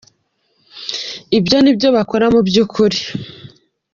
Ibyo ni byo bakora mu by’ukuri.